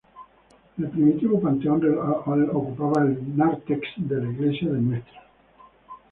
El primitivo panteón real ocupaba el nártex de la iglesia de Ntra.